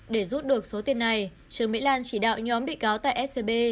để rút được số tiền này trương mỹ lan chỉ đạo nhóm bị cáo tại scb